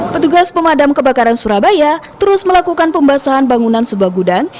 petugas pemadam kebakaran surabaya terus melakukan pembasahan bangunan sebuah gudang